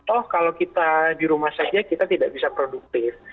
oh kalau kita di rumah saja kita tidak bisa produktif